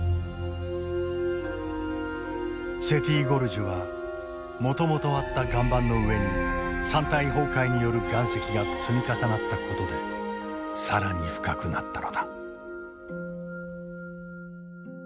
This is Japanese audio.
セティ・ゴルジュはもともとあった岩盤の上に山体崩壊による岩石が積み重なったことで更に深くなったのだ。